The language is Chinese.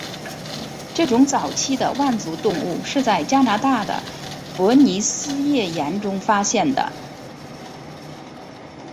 这种早期的腕足动物是在加拿大的伯吉斯页岩中发现的。